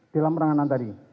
dalam peranganan tadi